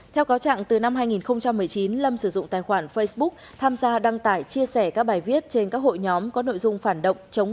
theo cáo trạng từ năm hai nghìn một mươi chín lâm sử dụng tài khoản facebook tham gia đăng tải chia sẻ các bài viết trên các hội nhóm có nội dung phản động